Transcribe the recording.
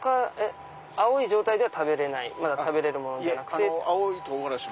青い状態ではまだ食べれるものじゃなくて。